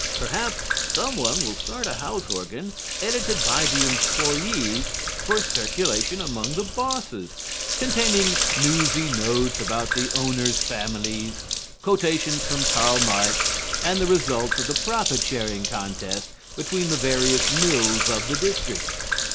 Perhaps some one will start a house organ edited by the employees for circulation among the bosses, containing newsy notes about the owners' families, quotations from Karl Marx and the results of the profit sharing contest between the various mills of the district.